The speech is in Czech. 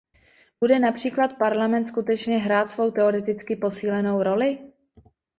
Bude například Parlament skutečně hrát svou teoreticky posílenou roli?